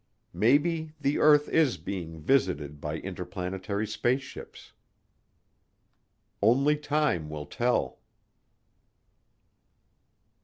Maybe the earth is being visited by interplanetary spaceships. Only time will tell.